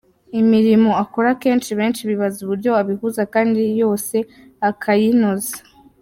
Imirimo akora kenshi benshi bibaza uburyo abihuza kandi yose akayinoza.